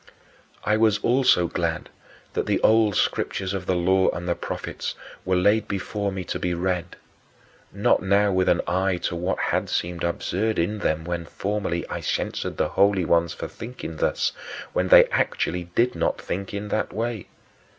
6. I was also glad that the old Scriptures of the Law and the Prophets were laid before me to be read, not now with an eye to what had seemed absurd in them when formerly I censured thy holy ones for thinking thus, when they actually did not think in that way.